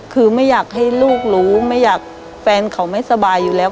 คือไม่อยากให้ลูกรู้ไม่อยากแฟนเขาไม่สบายอยู่แล้ว